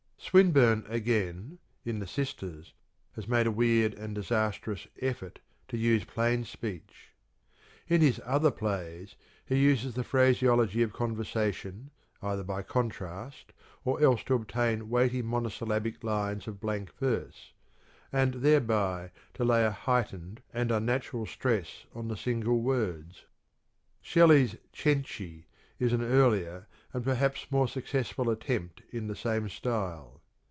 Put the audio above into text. Swinburne again, in the "Sisters," has made a weird and disastrous effort to use plain speech. In his other plays he uses the phraseology of conversation either by contrast or else to obtain weighty monosyllabic lines of blank verse, and thereby to lay a heightened and unnatural stress on the single words. Shelley's " Cenci " is an earlier and perhaps more successful attempt in the same style.